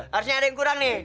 harusnya ada yang kurang nih